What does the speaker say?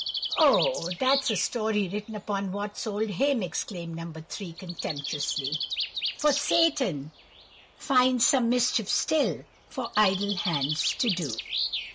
"Oh, that's a story written upon Watts's old hymn," exclaimed No. 3, contemptuously:— "'For Satan finds some mischief still, For idle hands to do.